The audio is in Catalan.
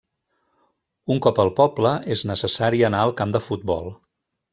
Un cop al poble, és necessari anar al camp de futbol.